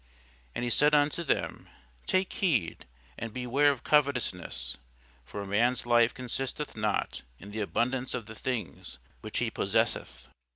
And he said unto them, Take heed, and beware of covetousness: for a man's life consisteth not in the abundance of the things which he possesseth.